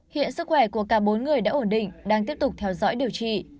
hiện sức khỏe của cả bốn người đã ổn định đang tiếp tục theo dõi điều trị